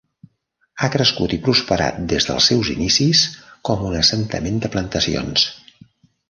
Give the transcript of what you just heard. Ha crescut i prosperat des dels seus inicis com un assentament de plantacions.